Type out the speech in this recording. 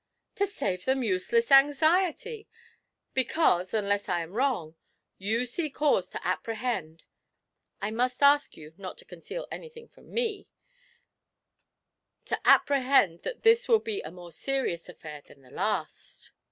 'To save them useless anxiety. Because, unless I am wrong, you see cause to apprehend (I must ask you not to conceal anything from me) to apprehend that this will be a more serious affair than the last?'